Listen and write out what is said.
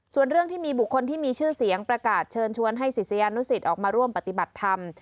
ส่วนเรื่องที่มีบุคคลที่มีชื่อเสียงประกาศเชิญชวนให้ศิษยานุสิตออกมาร่วมปฏิบัติธรรม